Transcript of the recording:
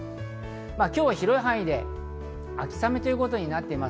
今日は広い範囲で秋雨ということになっています。